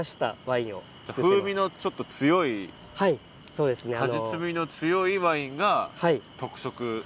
風味のちょっと強い果実味の強いワインが特色？